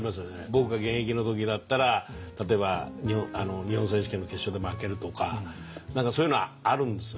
僕が現役の時だったら例えば日本選手権の決勝で負けるとか何かそういうのはあるんですよね。